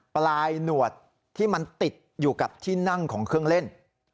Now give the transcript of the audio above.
ปลายหนวดที่มันติดอยู่กับที่นั่งของเครื่องเล่น